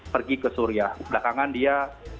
pergi ke suria belakangan dia